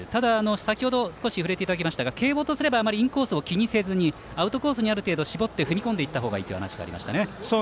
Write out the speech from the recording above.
先ほど触れていただきましたが慶応とすればあまりインコースを気にせずにアウトコースに絞って踏み込んでいったほうがいいという話がありました。